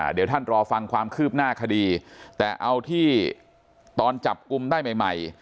เดี๋ยวท่านรอฟังความคืบหน้าคดีแต่เอาที่ตอนจับกลุ่มได้ใหม่ใหม่